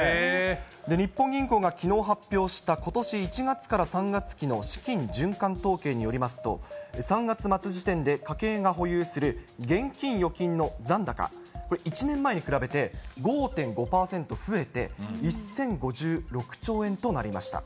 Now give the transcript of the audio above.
日本銀行がきのう発表したことし１月から３月期の資金循環統計によりますと、３月末時点で家計が保有する現金・預金の残高、これ、１年前に比べて５．５％増えて、１０５６兆円となりました。